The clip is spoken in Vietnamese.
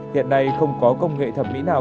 hiện nay không có công nghệ thẩm mỹ nào